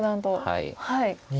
はい。